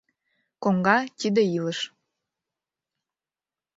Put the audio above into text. Коҥга — тиде илыш.